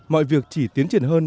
mọi việc chỉ tiến triển hơn